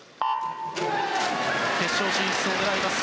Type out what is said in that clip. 決勝進出を狙います